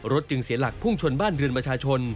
จึงเสียหลักพุ่งชนบ้านเรือนประชาชน